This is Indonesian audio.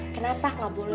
kenapa gak boleh